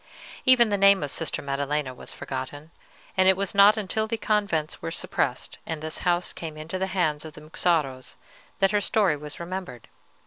"Even the name of Sister Maddelena was forgotten, and it was not until the convents were suppressed, and this house came into the hands of the Muxaros, that her story was remembered.